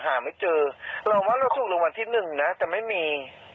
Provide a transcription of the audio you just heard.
หาไม่เจอเราก็ลองหว่าเราสูงละวันที่๑เนี่ยแต่ไม่มี